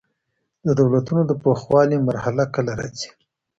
د دولتونو د پوخوالي مرحله کله راځي؟